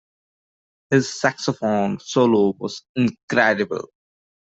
His saxophone solo was incredible.